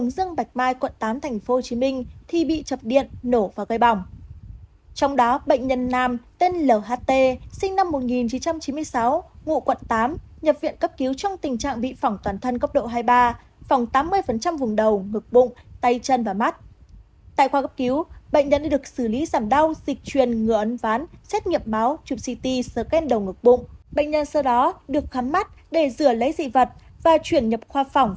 xin chào và hẹn gặp lại các bạn trong các bài hát tiếp theo